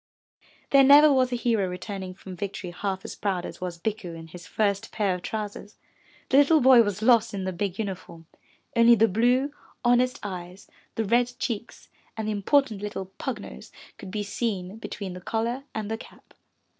There never was a hero returning from victory half as proud as was Bikku in his first pair of trousers. The little body was lost in the big uniform, only the blue, honest eyes, the red cheeks and the important little pug nose could be seen between the collar and the cap.